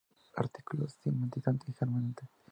El sitio ha publicado artículos simpatizantes de Gamergate.